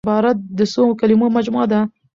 عبارت د څو کليمو مجموعه ده.